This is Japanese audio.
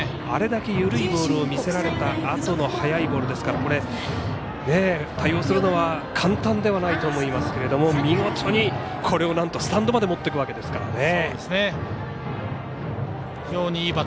あれだけ緩いボールを見せられたあとの速いボールですから対応するのは簡単ではないと思いますけれども見事にスタンドまで持っていくわけですから。